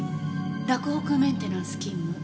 洛北メンテナンス勤務。